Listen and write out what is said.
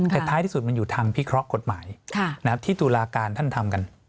แต่ท้ายที่สุดมันอยู่ทางพิเคราะห์กฎหมายที่ตุลาการท่านทำกัน